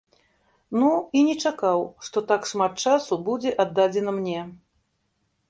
Ну, і не чакаў, што так шмат часу будзе аддадзена мне.